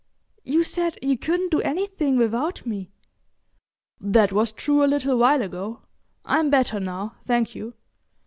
"You said you couldn't do anything without me." "That was true a little while ago. I'm better now, thank you.